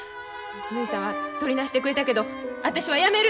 ぬひさんはとりなしてくれたけど私はやめる！